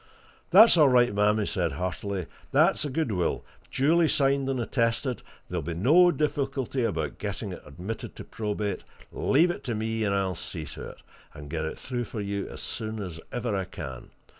"That's all right, ma'am!" he said heartily. "That's a good will, duly signed and attested, and there'll be no difficulty about getting it admitted to probate; leave it to me, and I'll see to it, and get it through for you as soon as ever I can.